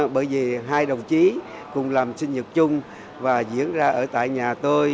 bởi vì hai đồng chí cùng làm sinh nhật chung và diễn ra ở tại nhà tôi